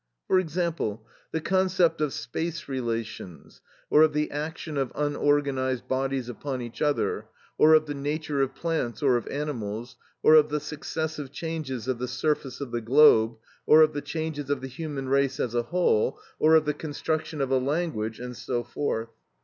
For example, the concept of space relations, or of the action of unorganised bodies upon each other, or of the nature of plants, or of animals, or of the successive changes of the surface of the globe, or of the changes of the human race as a whole, or of the construction of a language, and so forth.